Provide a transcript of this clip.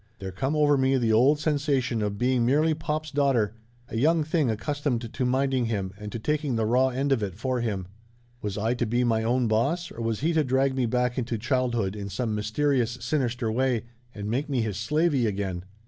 There come over me the old sensation of being merely pop's daugh ter ; a young thing accustomed to minding him, and to taking the raw end of it for him. Was I to be my own boss or was he to drag me back into childhood in some mysterious, sinister way, and make me his slavey again?